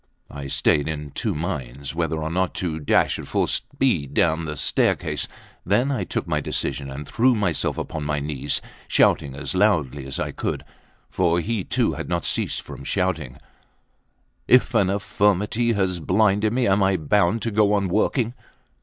I stayed in two minds, whether or not to dash at full speed down the staircase; then I took my decision and threw myself upon my knees, shouting as loudly as I could, for he too had not ceased from shouting: "If an infirmidy has blinded me, am I bound to go on working?"